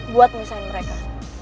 buat misahin mereka